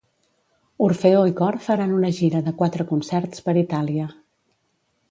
Orfeó i Cor faran una gira de quatre concerts per Itàlia.